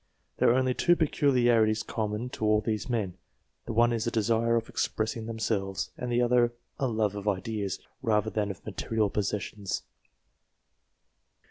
There are only two peculiarities common to all these men ; the one is a desire of expressing themselves, and the other a love of ideas, rather than of material possessions.